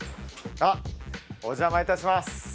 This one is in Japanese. あっお邪魔いたします